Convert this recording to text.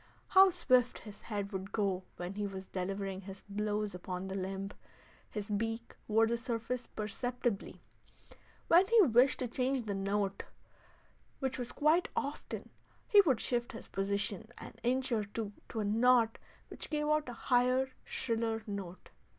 How swift his head would go when he was delivering his blows upon the limb! His beak wore the surface perceptibly. When he wished to change the key, which was quite often, he would shift his position an inch or two to a knot which gave out a higher, shriller note.